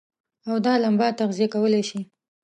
او دا لمبه تغذيه کولای شي.